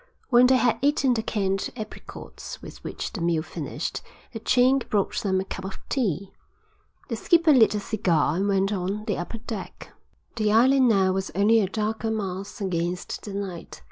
When they had eaten the canned apricots with which the meal finished the Chink brought them a cup of tea. The skipper lit a cigar and went on the upper deck. The island now was only a darker mass against the night.